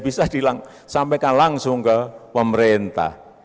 bisa disampaikan langsung ke pemerintah